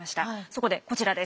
そこでこちらです。